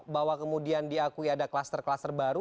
bahwa kemudian diakui ada klaster klaster baru